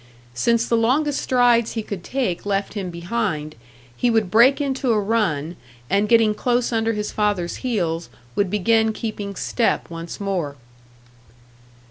Since the longest strides he could take left him behind, he would break into a run, and getting close under his father's heels, would begin keeping step once more.